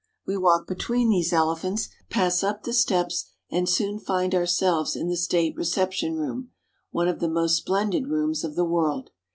We walk between these elephants, pass up the steps, and soon find ourselves in the state reception room, one of the most splendid rooms of the world.